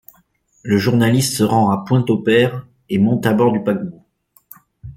Le journaliste se rend à Pointe-au-Père et monte à bord du paquebot.